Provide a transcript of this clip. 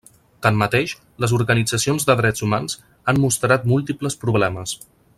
Tanmateix, les organitzacions de drets humans han mostrat múltiples problemes.